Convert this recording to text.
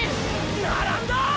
並んだ！